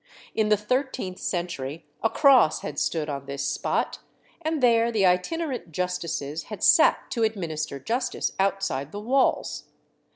In the thirteenth century a cross had stood on this spot, and there the itinerant justices had sat to administer justice outside the walls.